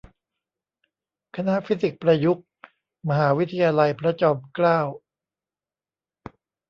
คณะฟิสิกส์ประยุกต์ มหาวิทยาลัยพระจอมเกล้า